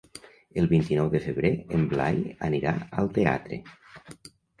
El vint-i-nou de febrer en Blai anirà al teatre.